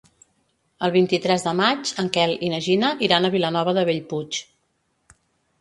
El vint-i-tres de maig en Quel i na Gina iran a Vilanova de Bellpuig.